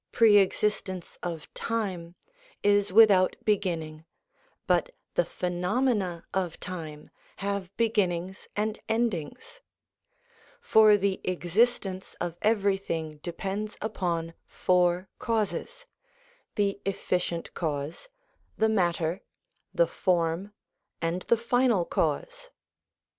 Pre existence of time is without beginning, but the phenomena of time have beginnings and endings ; for the existence of everything depends upon four causes the efficient cause, the matter, the form, and the final cause.